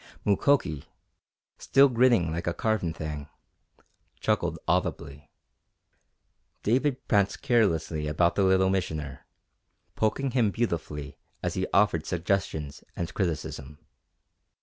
Mukoki, still grinning like a carven thing, chuckled audibly. David pranced carelessly about the Little Missioner, poking him beautifully as he offered suggestions and criticism.